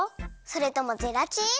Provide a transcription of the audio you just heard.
それともゼラチン？